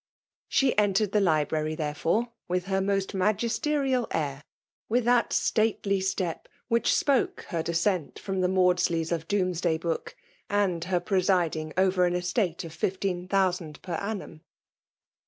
She entered the library, therefore, ivith her most magisterial air, — with that stately step wluch spoke her descent irom the Maudsleys of Domesday Book, and her presiding over an estate of fifteen thousand per annum.